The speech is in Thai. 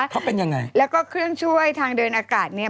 เขาเป็นยังไงแล้วก็เครื่องช่วยทางเดินอากาศเนี้ย